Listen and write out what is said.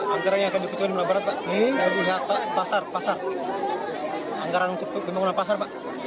anggaranya kecil kecil di melayu ini ada pasar pasar anggaran untuk pembangunan pasar